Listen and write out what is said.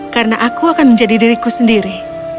karena aku akan menjadi diriku sendiri